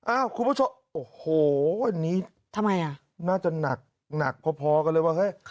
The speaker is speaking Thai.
อ้าวคุณผู้ชมโอ้โหวันนี้น่าจะหนักพอกันเลยว่าเฮ่ย